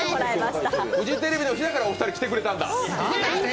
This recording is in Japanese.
フジテレビの日だからお二人、来てくれたんだ。